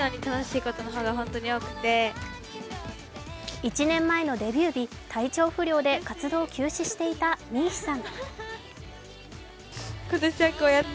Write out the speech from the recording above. １年前のデビュー日、体長不良で活動を休止していたＭＩＩＨＩさん。